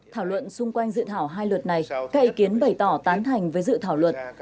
thảo luận xung quanh dự thảo hai luật này các ý kiến bày tỏ tán thành với dự thảo luật